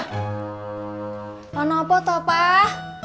kenapa toh pak